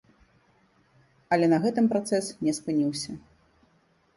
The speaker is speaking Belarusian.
Але на гэтым працэс не спыніўся.